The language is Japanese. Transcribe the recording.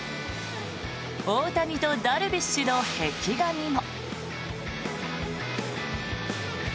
大谷とダルビッシュの壁画にも。